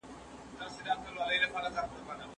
دا يو کېلو دئ.